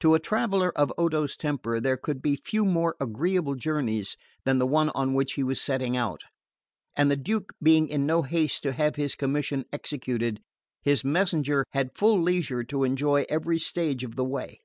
To a traveller of Odo's temper there could be few more agreeable journeys than the one on which he was setting out, and the Duke being in no haste to have his commission executed, his messenger had full leisure to enjoy every stage of the way.